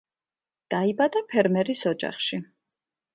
დაიბადა ფერმერის ოჯახში.